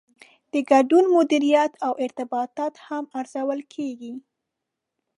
د ګډون مدیریت او ارتباطات هم ارزول کیږي.